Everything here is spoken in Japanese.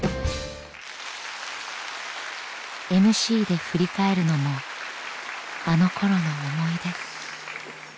ＭＣで振り返るのもあのころの思い出。